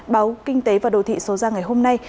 báo kinh tế và đô thị số ra ngày hôm nay